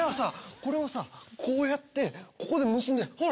これをさこうやってここで結んでほら。